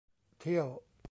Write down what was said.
เที่ยว